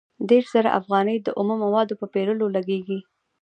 دېرش زره افغانۍ د اومه موادو په پېرلو لګېږي